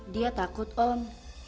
dia takut om